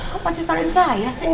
kamu pasti salahin saya sih